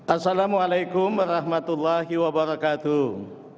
assalamualaikum warahmatullahi wabarakatuh